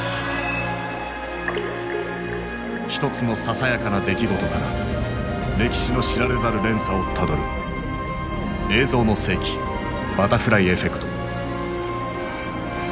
一つのささやかな出来事から歴史の知られざる連鎖をたどる「映像の世紀バタフライエフェクト」。